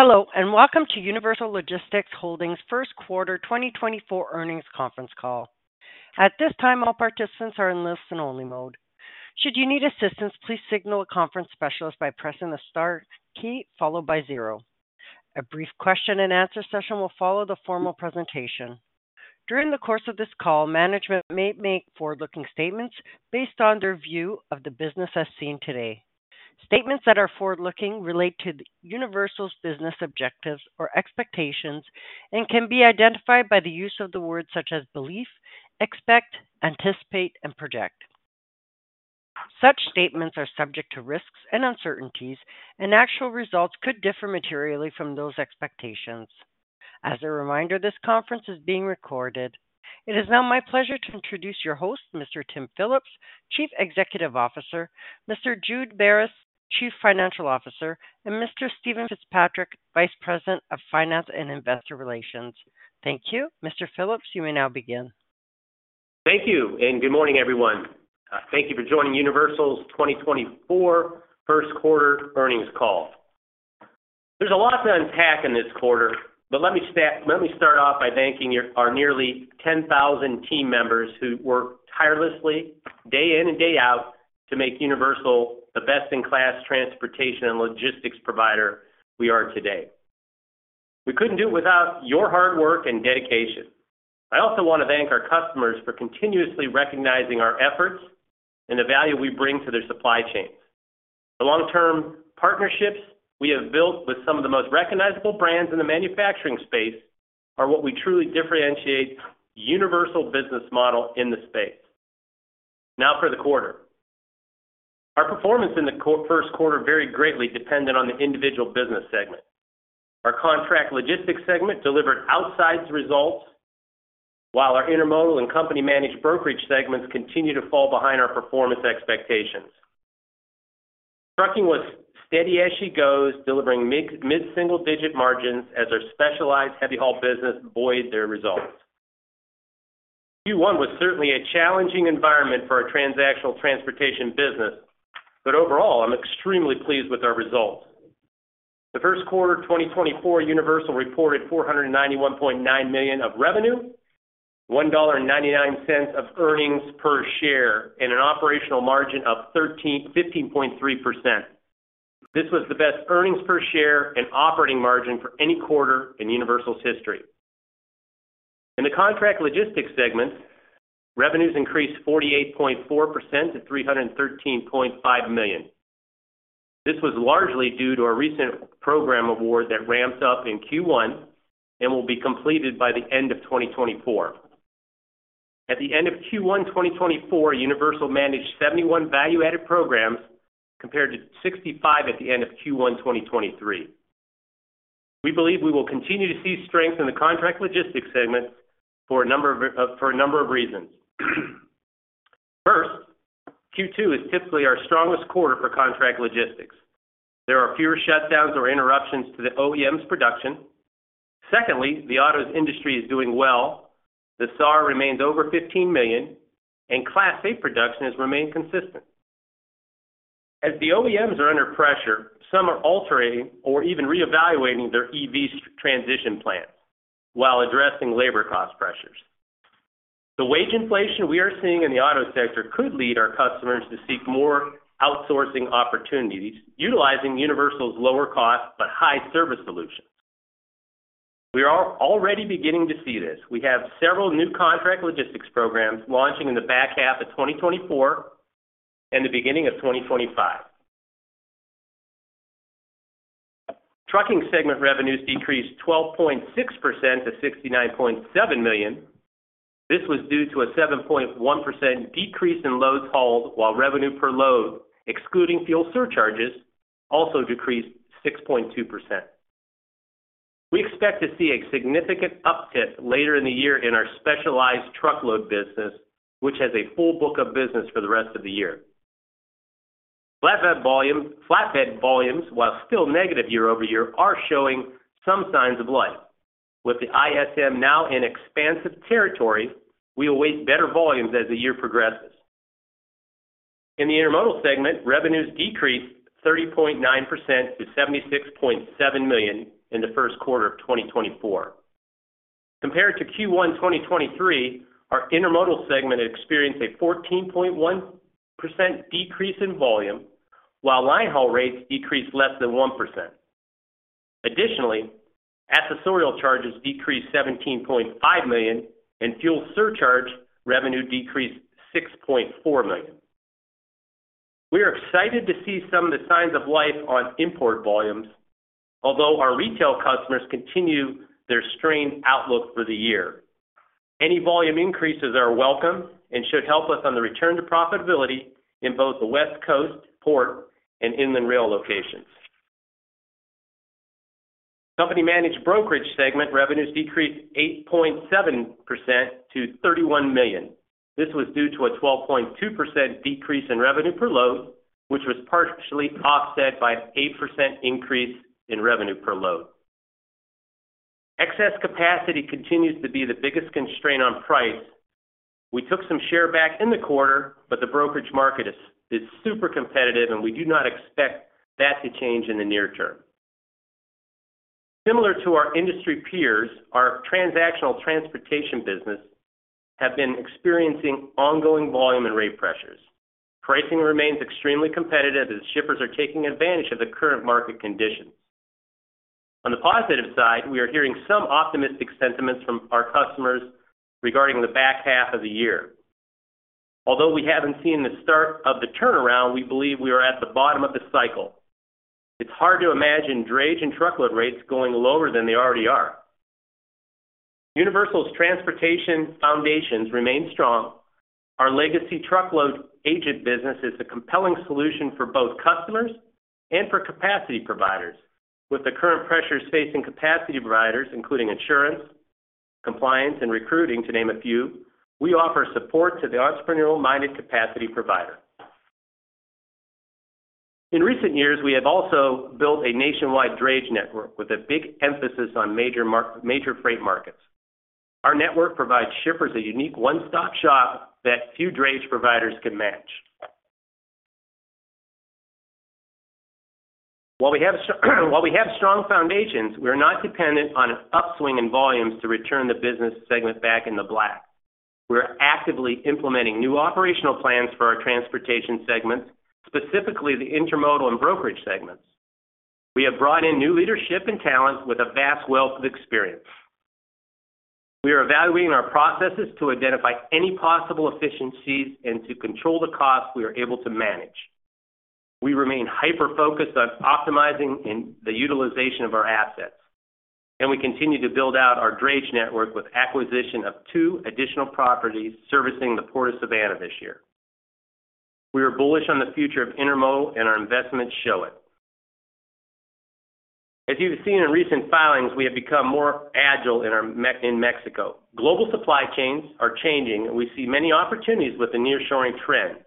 Hello and welcome to Universal Logistics Holdings' first quarter 2024 earnings conference call. At this time, all participants are in listen-only mode. Should you need assistance, please signal a conference specialist by pressing the star key followed by zero. A brief question-and-answer session will follow the formal presentation. During the course of this call, management may make forward-looking statements based on their view of the business as seen today. Statements that are forward-looking relate to Universal's business objectives or expectations and can be identified by the use of the words such as belief, expect, anticipate, and project. Such statements are subject to risks and uncertainties, and actual results could differ materially from those expectations. As a reminder, this conference is being recorded. It is now my pleasure to introduce your host, Mr. Tim Phillips, Chief Executive Officer, Mr. Jude Beres, Chief Financial Officer, and Mr. Steven Fitzpatrick, Vice President of Finance and Investor Relations. Thank you. Mr. Phillips, you may now begin. Thank you and good morning, everyone. Thank you for joining Universal's 2024 first quarter earnings call. There's a lot to unpack in this quarter, but let me start off by thanking our nearly 10,000 team members who worked tirelessly day in and day out to make Universal the best-in-class transportation and logistics provider we are today. We couldn't do it without your hard work and dedication. I also want to thank our customers for continuously recognizing our efforts and the value we bring to their supply chains. The long-term partnerships we have built with some of the most recognizable brands in the manufacturing space are what we truly differentiate the Universal business model in the space. Now for the quarter. Our performance in the first quarter varied greatly dependent on the individual business segment. Our contract logistics segment delivered outsized results, while our intermodal and company-managed brokerage segments continue to fall behind our performance expectations. Trucking was steady as she goes, delivering mid-single-digit margins as our specialized heavy haul business with their results. Q1 was certainly a challenging environment for our transactional transportation business, but overall, I'm extremely pleased with our results. The first quarter 2024, Universal reported $491.9 million of revenue, $1.99 of earnings per share, and an operational margin of 15.3%. This was the best earnings per share and operating margin for any quarter in Universal's history. In the contract logistics segment, revenues increased 48.4% to $313.5 million. This was largely due to a recent program award that ramped up in Q1 and will be completed by the end of 2024. At the end of Q1 2024, Universal managed 71 value-added programs compared to 65 at the end of Q1 2023. We believe we will continue to see strength in the contract logistics segments for a number of reasons. First, Q2 is typically our strongest quarter for contract logistics. There are fewer shutdowns or interruptions to the OEM's production. Secondly, the autos industry is doing well. The SAAR remains over 15 million, and Class 8 production has remained consistent. As the OEMs are under pressure, some are altering or even reevaluating their EV transition plans while addressing labor cost pressures. The wage inflation we are seeing in the auto sector could lead our customers to seek more outsourcing opportunities utilizing Universal's lower-cost but high-service solutions. We are already beginning to see this. We have several new contract logistics programs launching in the back half of 2024 and the beginning of 2025. Trucking segment revenues decreased 12.6% to $69.7 million. This was due to a 7.1% decrease in loads hauled while revenue per load, excluding fuel surcharges, also decreased 6.2%. We expect to see a significant uptick later in the year in our specialized truckload business, which has a full book of business for the rest of the year. Flatbed volumes, while still negative year-over-year, are showing some signs of life. With the ISM now in expansive territory, we await better volumes as the year progresses. In the intermodal segment, revenues decreased 30.9% to $76.7 million in the first quarter of 2024. Compared to Q1 2023, our intermodal segment experienced a 14.1% decrease in volume, while line haul rates decreased less than 1%. Additionally, accessorial charges decreased $17.5 million, and fuel surcharge revenue decreased $6.4 million. We are excited to see some of the signs of life on import volumes, although our retail customers continue their strained outlook for the year. Any volume increases are welcome and should help us on the return to profitability in both the West Coast, port, and inland rail locations. Company-managed brokerage segment revenues decreased 8.7% to $31 million. This was due to a 12.2% decrease in revenue per load, which was partially offset by an 8% increase in revenue per load. Excess capacity continues to be the biggest constraint on price. We took some share back in the quarter, but the brokerage market is super competitive, and we do not expect that to change in the near term. Similar to our industry peers, our transactional transportation business has been experiencing ongoing volume and rate pressures. Pricing remains extremely competitive as shippers are taking advantage of the current market conditions. On the positive side, we are hearing some optimistic sentiments from our customers regarding the back half of the year. Although we haven't seen the start of the turnaround, we believe we are at the bottom of the cycle. It's hard to imagine drayage and truckload rates going lower than they already are. Universal's transportation foundations remain strong. Our legacy truckload agent business is a compelling solution for both customers and for capacity providers. With the current pressures facing capacity providers, including insurance, compliance, and recruiting, to name a few, we offer support to the entrepreneurial-minded capacity provider. In recent years, we have also built a nationwide drayage network with a big emphasis on major freight markets. Our network provides shippers a unique one-stop shop that few drayage providers can match. While we have strong foundations, we are not dependent on an upswing in volumes to return the business segment back in the black. We are actively implementing new operational plans for our transportation segments, specifically the intermodal and brokerage segments. We have brought in new leadership and talent with a vast wealth of experience. We are evaluating our processes to identify any possible efficiencies and to control the costs we are able to manage. We remain hyper-focused on optimizing the utilization of our assets, and we continue to build out our drayage network with acquisition of two additional properties servicing the Port of Savannah this year. We are bullish on the future of intermodal, and our investments show it. As you've seen in recent filings, we have become more agile in Mexico. Global supply chains are changing, and we see many opportunities with the nearshoring trend.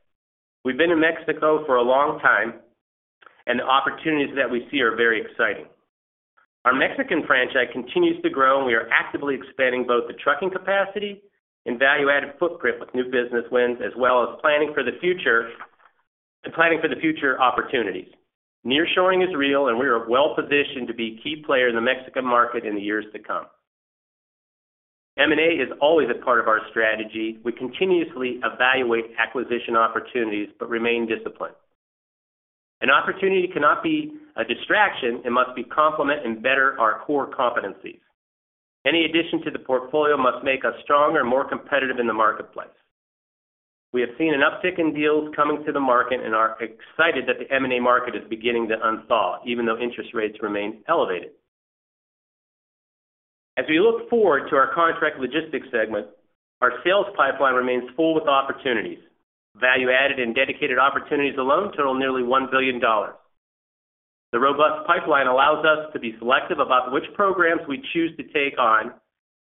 We've been in Mexico for a long time, and the opportunities that we see are very exciting. Our Mexican franchise continues to grow, and we are actively expanding both the trucking capacity and value-added footprint with new business wins, as well as planning for the future opportunities. Nearshoring is real, and we are well-positioned to be a key player in the Mexican market in the years to come. M&A is always a part of our strategy. We continuously evaluate acquisition opportunities but remain disciplined. An opportunity cannot be a distraction. It must be a complement and better our core competencies. Any addition to the portfolio must make us stronger and more competitive in the marketplace. We have seen an uptick in deals coming to the market and are excited that the M&A market is beginning to unthaw, even though interest rates remain elevated. As we look forward to our contract logistics segment, our sales pipeline remains full with opportunities. Value-added and dedicated opportunities alone total nearly $1 billion. The robust pipeline allows us to be selective about which programs we choose to take on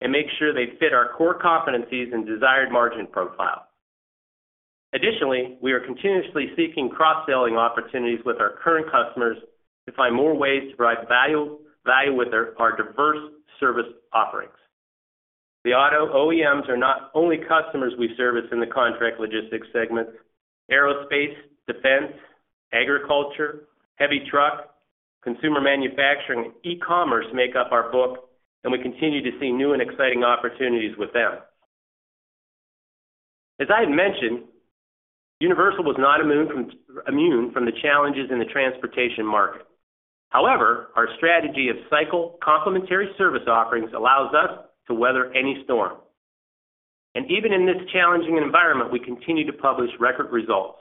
and make sure they fit our core competencies and desired margin profile. Additionally, we are continuously seeking cross-selling opportunities with our current customers to find more ways to provide value with our diverse service offerings. The auto OEMs are not only customers we service in the contract logistics segments. Aerospace, defense, agriculture, heavy truck, consumer manufacturing, and e-commerce make up our book, and we continue to see new and exciting opportunities with them. As I had mentioned, Universal was not immune from the challenges in the transportation market. However, our strategy of cycle-complementary service offerings allows us to weather any storm. Even in this challenging environment, we continue to publish record results.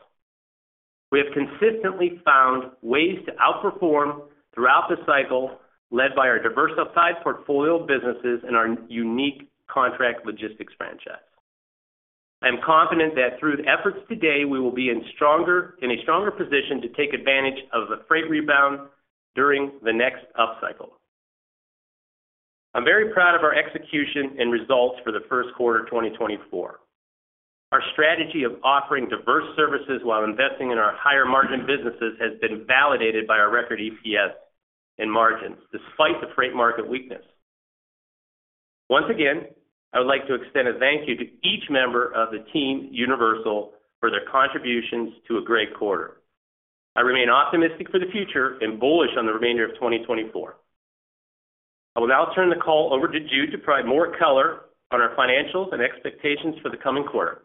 We have consistently found ways to outperform throughout the cycle led by our diversified portfolio of businesses and our unique contract logistics franchise. I am confident that through the efforts today, we will be in a stronger position to take advantage of the freight rebound during the next upcycle. I'm very proud of our execution and results for the first quarter 2024. Our strategy of offering diverse services while investing in our higher-margin businesses has been validated by our record EPS and margins despite the freight market weakness. Once again, I would like to extend a thank you to each member of the Team Universal for their contributions to a great quarter. I remain optimistic for the future and bullish on the remainder of 2024. I will now turn the call over to Jude to provide more color on our financials and expectations for the coming quarter.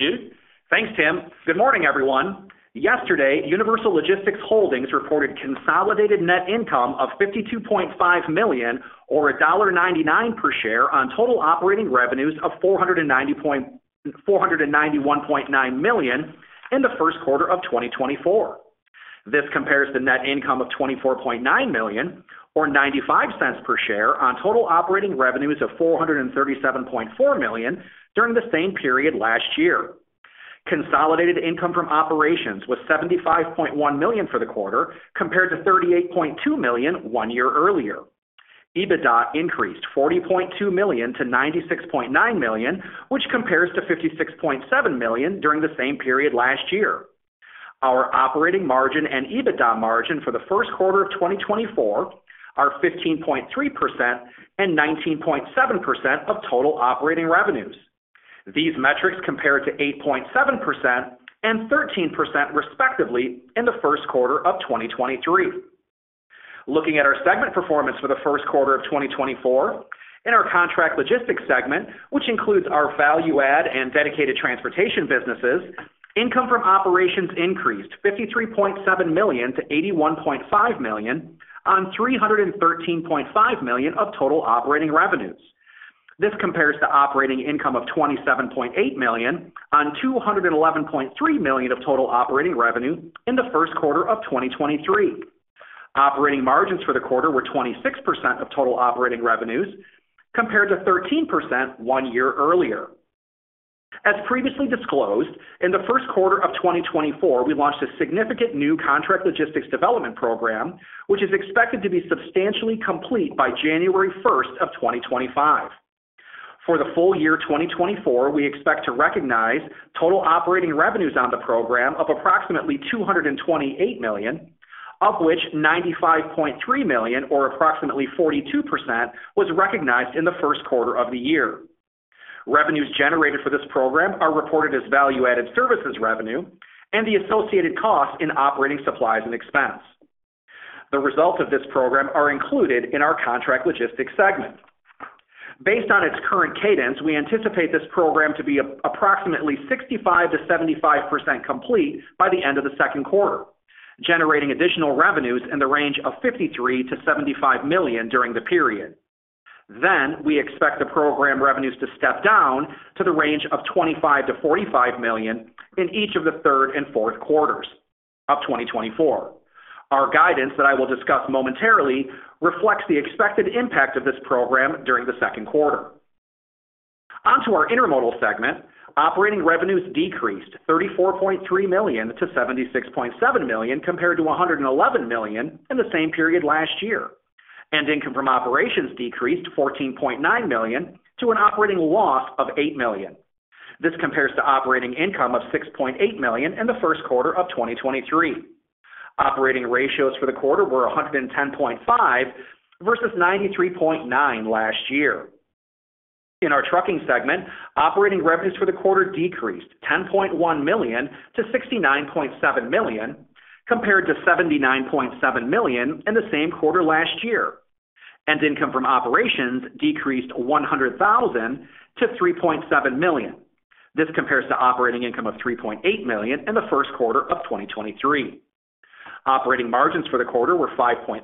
Jude. Thanks, Tim. Good morning, everyone. Yesterday, Universal Logistics Holdings reported consolidated net income of $52.5 million, or $1.99 per share, on total operating revenues of $491.9 million in the first quarter of 2024. This compares to net income of $24.9 million, or $0.95 per share, on total operating revenues of $437.4 million during the same period last year. Consolidated income from operations was $75.1 million for the quarter compared to $38.2 million one year earlier. EBITDA increased $40.2 million-$96.9 million, which compares to $56.7 million during the same period last year. Our operating margin and EBITDA margin for the first quarter of 2024 are 15.3% and 19.7% of total operating revenues. These metrics compare to 8.7% and 13% respectively in the first quarter of 2023. Looking at our segment performance for the first quarter of 2024, in our contract logistics segment, which includes our value-add and dedicated transportation businesses, income from operations increased $53.7 million-$81.5 million on $313.5 million of total operating revenues. This compares to operating income of $27.8 million on $211.3 million of total operating revenue in the first quarter of 2023. Operating margins for the quarter were 26% of total operating revenues compared to 13% one year earlier. As previously disclosed, in the first quarter of 2024, we launched a significant new contract logistics development program, which is expected to be substantially complete by January 1st of 2025. For the full year 2024, we expect to recognize total operating revenues on the program of approximately $228 million, of which $95.3 million, or approximately 42%, was recognized in the first quarter of the year. Revenues generated for this program are reported as value-added services revenue and the associated costs in operating supplies and expense. The results of this program are included in our contract logistics segment. Based on its current cadence, we anticipate this program to be approximately 65%-75% complete by the end of the second quarter, generating additional revenues in the range of $53-$75 million during the period. Then, we expect the program revenues to step down to the range of $25 million-$45 million in each of the third and fourth quarters of 2024. Our guidance that I will discuss momentarily reflects the expected impact of this program during the second quarter. Onto our intermodal segment. Operating revenues decreased $34.3 million-$76.7 million compared to $111 million in the same period last year, and income from operations decreased $14.9 million to an operating loss of $8 million. This compares to operating income of $6.8 million in the first quarter of 2023. Operating ratios for the quarter were 110.5 versus 93.9 last year. In our trucking segment, operating revenues for the quarter decreased $10.1 million-$69.7 million compared to $79.7 million in the same quarter last year, and income from operations decreased $100,000-$3.7 million. This compares to operating income of $3.8 million in the first quarter of 2023. Operating margins for the quarter were 5.3%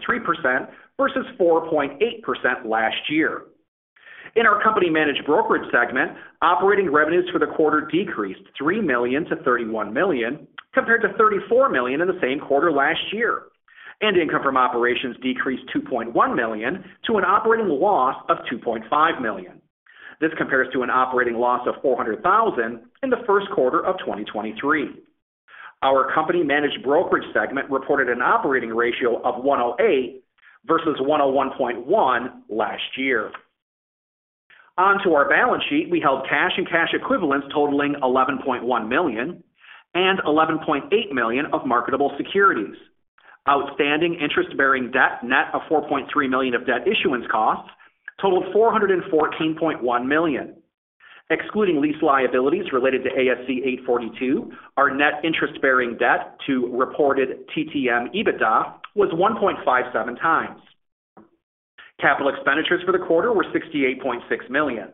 versus 4.8% last year. In our company-managed brokerage segment, operating revenues for the quarter decreased $3 million-$31 million compared to $34 million in the same quarter last year, and income from operations decreased $2.1 million to an operating loss of $2.5 million. This compares to an operating loss of $400,000 in the first quarter of 2023. Our company-managed brokerage segment reported an operating ratio of 108 versus 101.1 last year. Onto our balance sheet, we held cash and cash equivalents totaling $11.1 million and $11.8 million of marketable securities. Outstanding interest-bearing debt net of $4.3 million of debt issuance costs totaled $414.1 million. Excluding lease liabilities related to ASC 842, our net interest-bearing debt to reported TTM EBITDA was 1.57 times. Capital expenditures for the quarter were $68.6 million.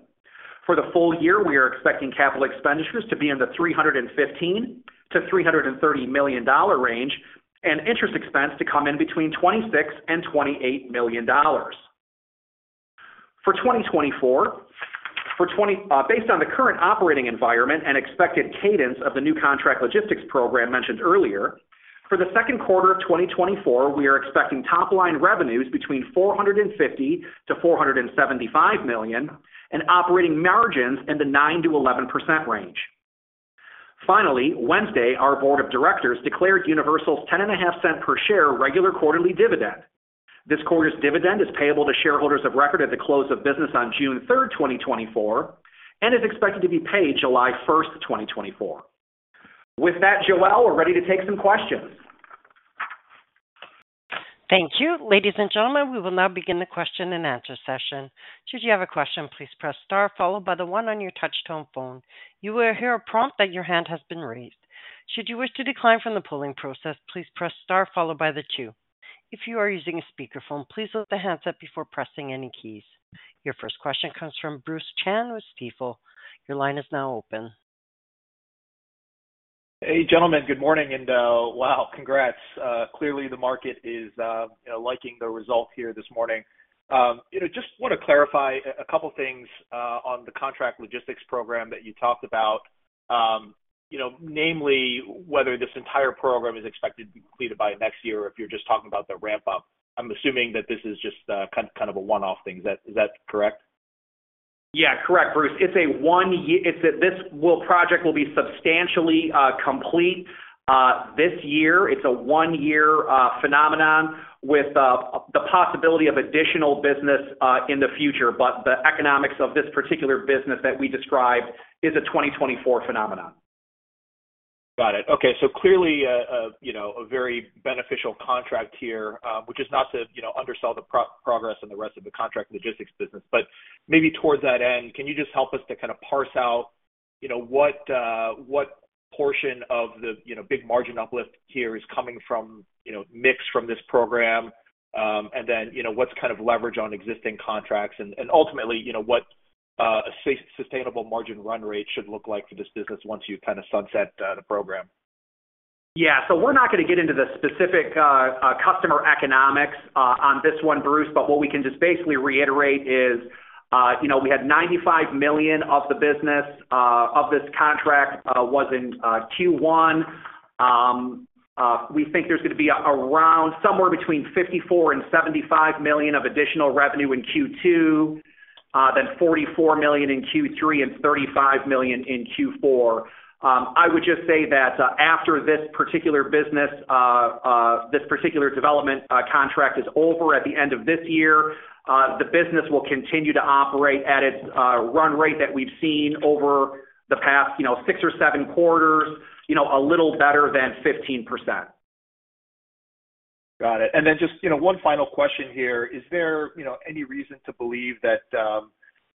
For the full year, we are expecting capital expenditures to be in the $315 million-$330 million range and interest expense to come in between $26 million and $28 million. For 2024, based on the current operating environment and expected cadence of the new contract logistics program mentioned earlier, for the second quarter of 2024, we are expecting top-line revenues between $450 million-$475 million and operating margins in the 9%-11% range. Finally, Wednesday, our board of directors declared Universal's $0.105 per share regular quarterly dividend. This quarter's dividend is payable to shareholders of record at the close of business on June 3rd, 2024, and is expected to be paid July 1st, 2024. With that, Joelle, we're ready to take some questions. Thank you. Ladies and gentlemen, we will now begin the question and answer session. Should you have a question, please press star, followed by 1 on your touch-tone phone. You will hear a prompt that your hand has been raised. Should you wish to decline from the polling process, please press star, followed by two. If you are using a speakerphone, please lift the handset up before pressing any keys. Your first question comes from Bruce Chan with Stifel. Your line is now open. Hey, gentlemen. Good morning. And wow, congrats. Clearly, the market is liking the result here this morning. Just want to clarify a couple of things on the contract logistics program that you talked about, namely whether this entire program is expected to be completed by next year or if you're just talking about the ramp-up. I'm assuming that this is just kind of a one-off thing. Is that correct? Yeah, correct, Bruce. It's a one-year project. This project will be substantially complete this year. It's a one-year phenomenon with the possibility of additional business in the future. But the economics of this particular business that we described is a 2024 phenomenon. Got it. Okay. So clearly, a very beneficial contract here, which is not to undersell the progress in the rest of the contract logistics business. But maybe towards that end, can you just help us to kind of parse out what portion of the big margin uplift here is coming mixed from this program, and then what's kind of leverage on existing contracts, and ultimately, what a sustainable margin run rate should look like for this business once you kind of sunset the program? Yeah. So we're not going to get into the specific customer economics on this one, Bruce. But what we can just basically reiterate is we had $95 million of the business. This contract was in Q1. We think there's going to be somewhere between $54 million and $75 million of additional revenue in Q2, then $44 million in Q3, and $35 million in Q4. I would just say that after this particular business, this particular development contract is over at the end of this year, the business will continue to operate at its run rate that we've seen over the past six or seven quarters, a little better than 15%. Got it. And then just one final question here. Is there any reason to believe that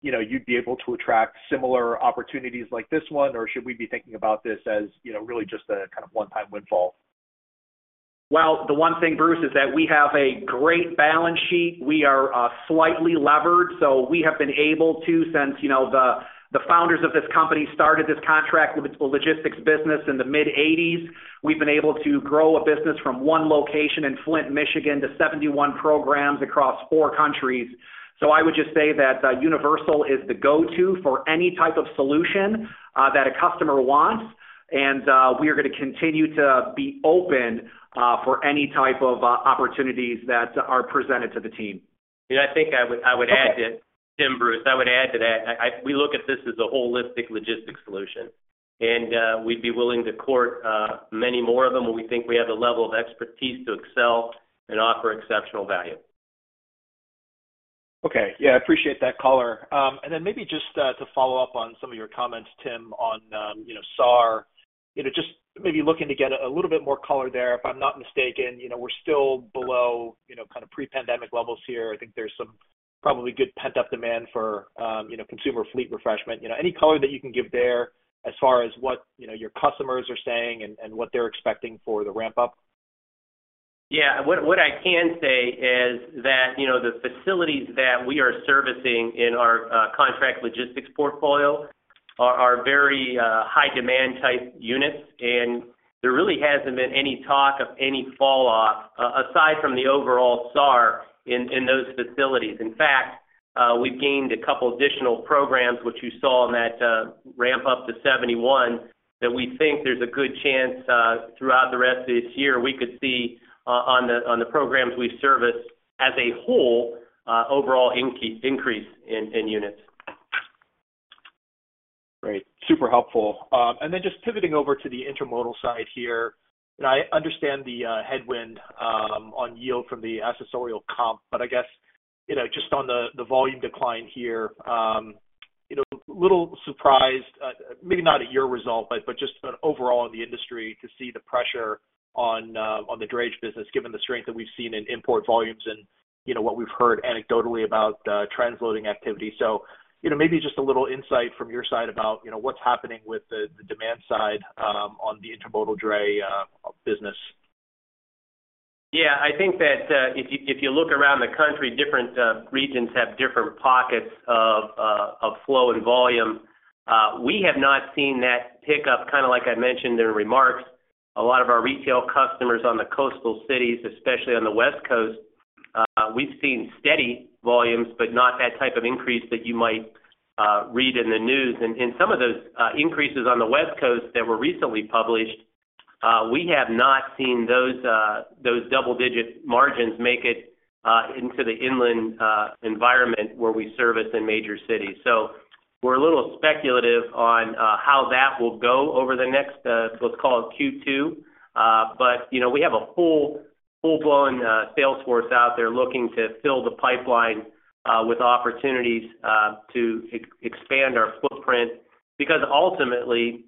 you'd be able to attract similar opportunities like this one, or should we be thinking about this as really just a kind of one-time windfall? Well, the one thing, Bruce, is that we have a great balance sheet. We are slightly levered. So we have been able to, since the founders of this company started this contract logistics business in the mid-1980s, we've been able to grow a business from one location in Flint, Michigan, to 71 programs across four countries. So I would just say that Universal is the go-to for any type of solution that a customer wants. And we are going to continue to be open for any type of opportunities that are presented to the team. I think I would add to it, Tim, Bruce. I would add to that. We look at this as a holistic logistics solution. We'd be willing to court many more of them when we think we have the level of expertise to excel and offer exceptional value. Okay. Yeah, I appreciate that color. And then maybe just to follow up on some of your comments, Tim, on SAAR, just maybe looking to get a little bit more color there. If I'm not mistaken, we're still below kind of pre-pandemic levels here. I think there's some probably good pent-up demand for consumer fleet refreshment. Any color that you can give there as far as what your customers are saying and what they're expecting for the ramp-up? Yeah. What I can say is that the facilities that we are servicing in our contract logistics portfolio are very high-demand type units. There really hasn't been any talk of any fall-off aside from the overall SAAR in those facilities. In fact, we've gained a couple of additional programs, which you saw in that ramp-up to 71, that we think there's a good chance throughout the rest of this year we could see on the programs we service as a whole overall increase in units. Great. Super helpful. Then just pivoting over to the intermodal side here, I understand the headwind on yield from the accessorial comp. But I guess just on the volume decline here, a little surprised, maybe not at your result, but just overall in the industry to see the pressure on the drayage business given the strength that we've seen in import volumes and what we've heard anecdotally about transloading activity. So maybe just a little insight from your side about what's happening with the demand side on the intermodal drayage business? Yeah. I think that if you look around the country, different regions have different pockets of flow and volume. We have not seen that pickup, kind of like I mentioned in remarks, a lot of our retail customers on the coastal cities, especially on the West Coast, we've seen steady volumes but not that type of increase that you might read in the news. And in some of those increases on the West Coast that were recently published, we have not seen those double-digit margins make it into the inland environment where we service in major cities. So we're a little speculative on how that will go over the next, let's call it, Q2. But we have a full-blown sales force out there looking to fill the pipeline with opportunities to expand our footprint because ultimately,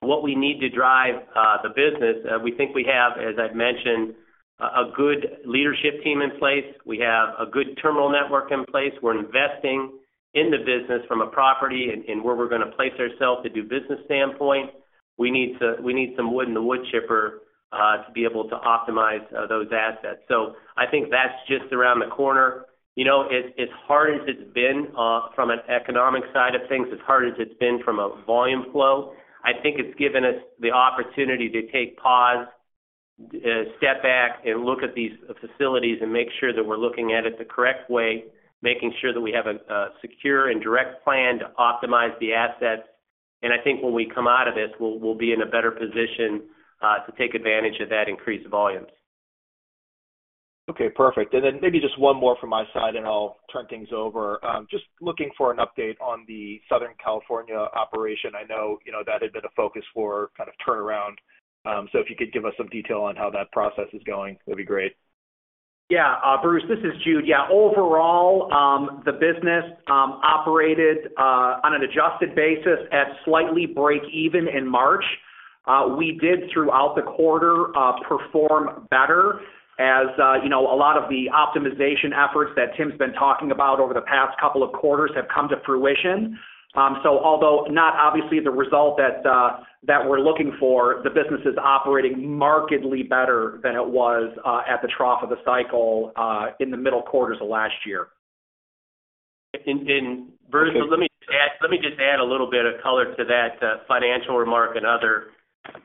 what we need to drive the business, we think we have, as I've mentioned, a good leadership team in place. We have a good terminal network in place. We're investing in the business from a property and where we're going to place ourselves to do business standpoint. We need some wood in the woodchipper to be able to optimize those assets. So I think that's just around the corner. As hard as it's been from an economic side of things, as hard as it's been from a volume flow, I think it's given us the opportunity to take pause, step back, and look at these facilities and make sure that we're looking at it the correct way, making sure that we have a secure and direct plan to optimize the assets. I think when we come out of this, we'll be in a better position to take advantage of that increase of volumes. Okay. Perfect. And then maybe just one more from my side, and I'll turn things over. Just looking for an update on the Southern California operation. I know that had been a focus for kind of turnaround. So if you could give us some detail on how that process is going, that'd be great. Yeah, Bruce. This is Jude. Yeah, overall, the business operated on an adjusted basis at slightly break-even in March. We did throughout the quarter perform better as a lot of the optimization efforts that Tim's been talking about over the past couple of quarters have come to fruition. So although not obviously the result that we're looking for, the business is operating markedly better than it was at the trough of the cycle in the middle quarters of last year. Bruce, let me just add a little bit of color to that financial remark and other,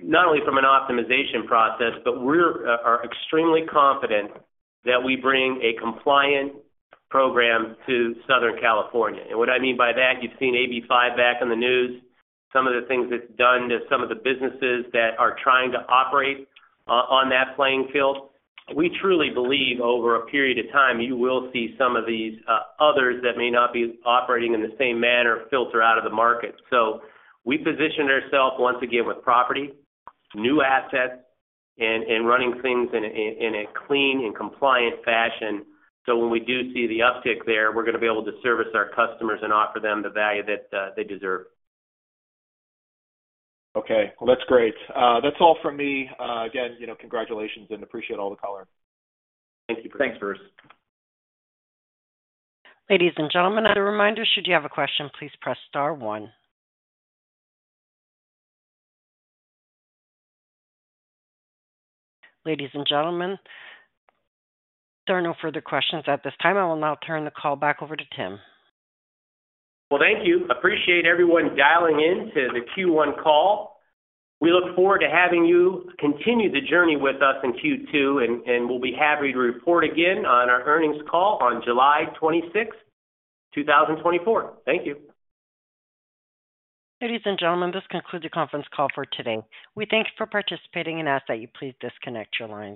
not only from an optimization process, but we are extremely confident that we bring a compliant program to Southern California. What I mean by that, you've seen AB5 back in the news, some of the things it's done to some of the businesses that are trying to operate on that playing field. We truly believe over a period of time, you will see some of these others that may not be operating in the same manner filter out of the market. We position ourselves once again with property, new assets, and running things in a clean and compliant fashion. When we do see the uptick there, we're going to be able to service our customers and offer them the value that they deserve. Okay. Well, that's great. That's all from me. Again, congratulations, and appreciate all the color. Thank you, Bruce. Thanks, Bruce. Ladies and gentlemen, as a reminder, should you have a question, please press star one. Ladies and gentlemen, there are no further questions at this time. I will now turn the call back over to Tim. Well, thank you. Appreciate everyone dialing into the Q1 call. We look forward to having you continue the journey with us in Q2. We'll be happy to report again on our earnings call on July 26th, 2024. Thank you. Ladies and gentlemen, this concludes the conference call for today. We thank you for participating and ask that you please disconnect your line.